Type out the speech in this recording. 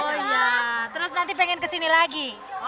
oh iya terus nanti pengen kesini lagi